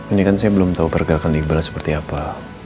ini kan saya belum tahu pergerakan iqbal seperti apa